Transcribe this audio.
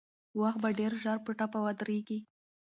وخت به ډېر ژر په ټپه ودرېږي.